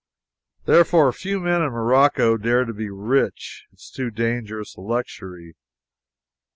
Therefore, few men in Morocco dare to be rich. It is too dangerous a luxury.